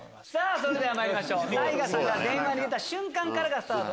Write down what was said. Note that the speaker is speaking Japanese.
それではまいりましょうＴＡＩＧＡさんが出た瞬間からがスタート。